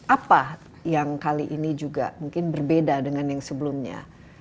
apa yang kali ini juga mungkin berbeda dengan yang sebelumnya